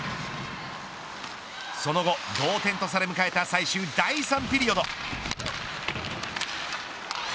その後、同点とされる迎えた第３ピリオド。